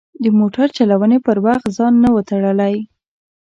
د موټر چلونې پر وخت ځان نه و تړلی.